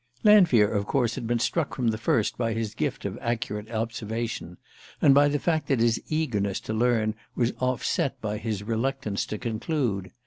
Lanfear, of course, had been struck from the first by his gift of accurate observation, and by the fact that his eagerness to learn was offset by his reluctance to conclude.